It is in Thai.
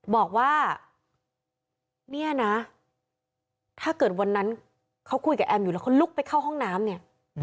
บอกว่าเนี่ยนะถ้าเกิดวันนั้นเขาคุยกับแอมอยู่แล้วเขาลุกไปเข้าห้องน้ำเนี่ย